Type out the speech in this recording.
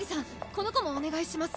この子もお願いします。